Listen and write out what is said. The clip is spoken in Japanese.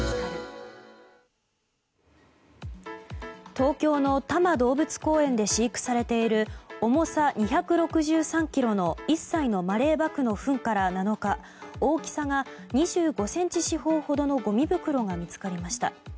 東京の多摩動物公園で飼育されている重さ２６３ｋｇの１歳のマレーバクのふんから７日、大きさが２５ｃｍ四方ほどのごみ袋が見つかりました。